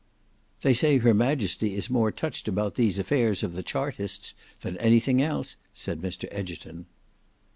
"They say her Majesty is more touched about these affairs of the Chartists than anything else," said Mr Egerton.